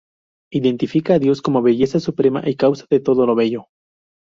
Identifica a Dios como belleza suprema y causa de todo lo bello.